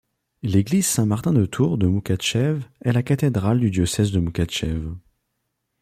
L'église Saint-Martin-de-Tours de Moukatcheve est la cathédrale du diocèse de Moukatcheve.